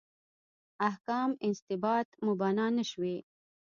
احکام استنباط مبنا نه شوي.